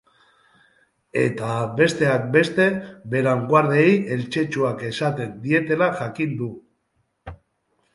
Eta, besteak beste, Beran guardiei eltzetzuak esaten dietela jakin dugu.